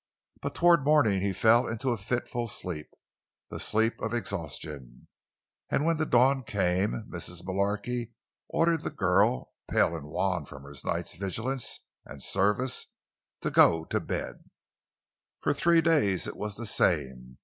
But toward morning he fell into a fitful sleep—the sleep of exhaustion; and when the dawn came, Mrs. Mullarky ordered the girl, pale and wan from her night's vigilance and service, to "go to bed." For three days it was the same.